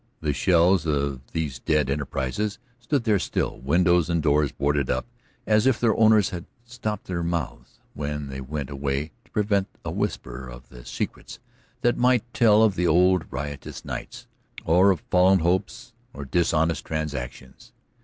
The shells of these dead enterprises stood there still, windows and doors boarded up, as if their owners had stopped their mouths when they went away to prevent a whisper of the secrets they might tell of the old riotous nights, or of fallen hopes, or dishonest transactions.